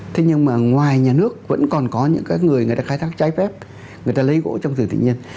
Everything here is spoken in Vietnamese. thế nhưng mà ngoài nhà nước vẫn còn có những người người ta khai thác trái phép người ta lấy gỗ trong rừng tự nhiên